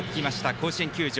甲子園球場。